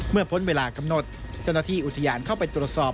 พ้นเวลากำหนดเจ้าหน้าที่อุทยานเข้าไปตรวจสอบ